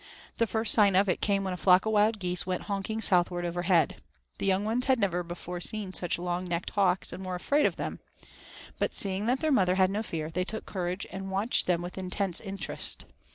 The first sign of it came when a flock of wild geese went honking southward overhead. The young ones had never before seen such long necked hawks, and were afraid of them. But seeing that their mother had no fear, they took courage, and watched them with intense interest.